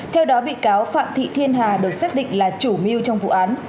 theo đó bị cáo phạm thị thiên hà được xác định là chủ mưu trong vụ án